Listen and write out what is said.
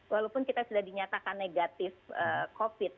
walaupun kita sudah dinyatakan negatif covid sembilan belas